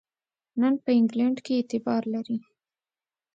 نن په انګلینډ کې اعتبار لري.